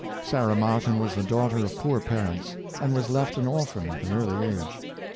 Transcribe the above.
Sarah Martin was the daughter of poor parents, and was left an orphan at an early age.